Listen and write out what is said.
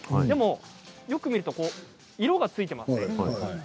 でもよく見ると色がついてますね。